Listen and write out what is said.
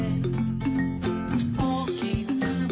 「おおきなくも」